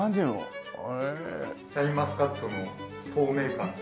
シャインマスカットの透明感とか。